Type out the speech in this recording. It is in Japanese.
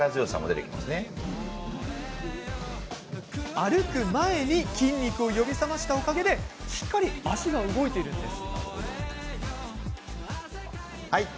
歩く前に筋肉を呼び覚ましたおかげでしっかり足が動いています。